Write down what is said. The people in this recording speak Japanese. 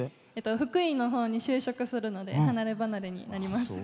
福井のほうに就職するので離れ離れになります。